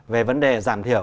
về vấn đề giảm thiểu